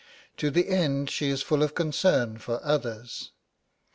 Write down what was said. To the end she is full of concern for others.